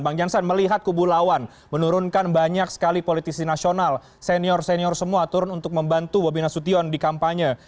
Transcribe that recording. bang jansen melihat kubu lawan menurunkan banyak sekali politisi nasional senior senior semua turun untuk membantu bobi nasution di kampanye